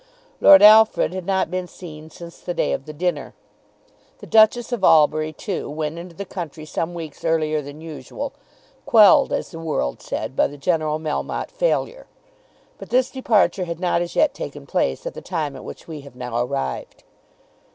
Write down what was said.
Lord Alfred had not been seen since the day of the dinner. The Duchess of Albury, too, went into the country some weeks earlier than usual, quelled, as the world said, by the general Melmotte failure. But this departure had not as yet taken place at the time at which we have now arrived.